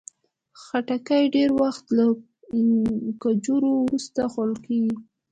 خټکی ډېر وخت له کجورو وروسته خوړل کېږي.